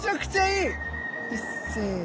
いっせいの。